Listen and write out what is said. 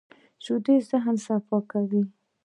شیدې د ذهن صفا کوي